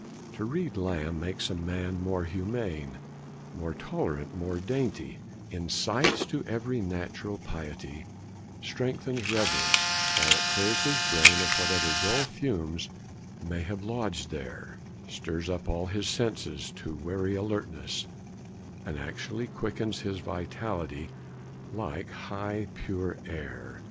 To read Lamb makes a man more humane, more tolerant, more dainty; incites to every natural piety, strengthens reverence; while it clears his brain of whatever dull fumes may have lodged there, stirs up all his senses to wary alertness, and actually quickens his vitality, like high pure air.